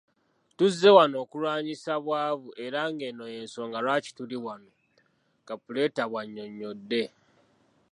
Tuzze wano okulwanyisa bwavu era ng'eno y'ensonga lwaki tuli wano,” Kabuleta bw'annyonnyodde.